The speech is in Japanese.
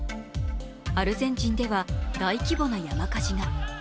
アルゼンチンでは大規模な山火事が。